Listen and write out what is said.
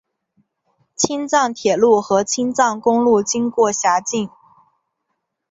青藏铁路和青藏公路经过辖境。